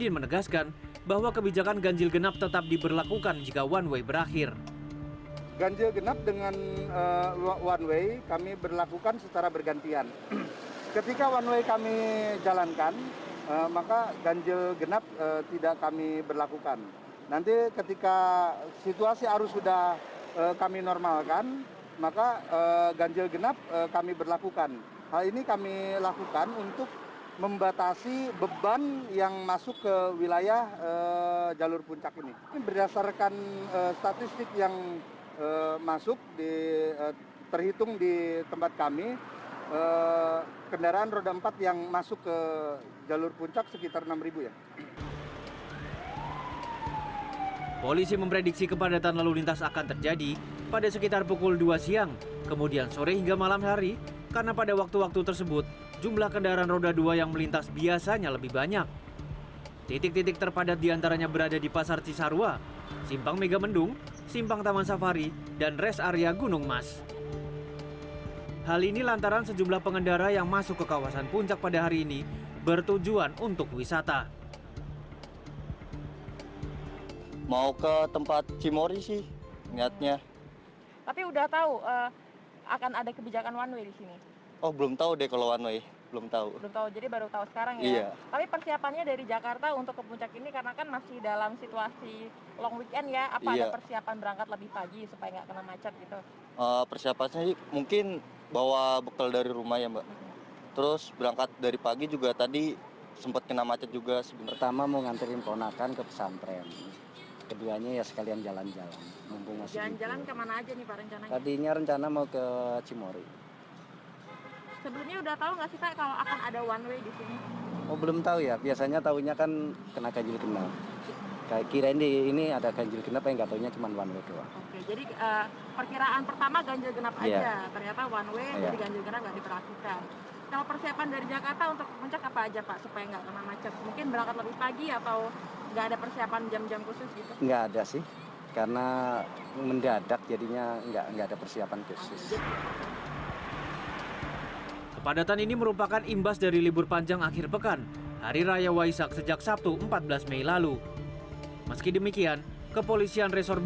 meski demikian kepolisian resor bogor